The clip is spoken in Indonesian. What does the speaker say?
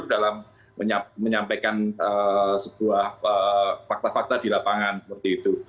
dalam menyampaikan sebuah fakta fakta di lapangan seperti itu